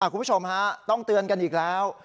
คุณผู้ชมฮะต้องเตือนกันอีกแล้ว